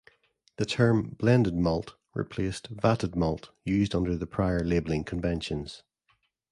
The term "blended malt" replaced "vatted malt" used under the prior labelling conventions.